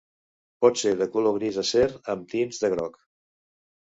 Pot ser de color gris acer amb tints de groc.